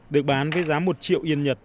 được bán với giá một triệu yen nhật